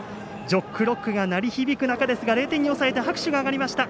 「ジョックロック」が鳴り響く中ですが０点に抑えて拍手が上がりました。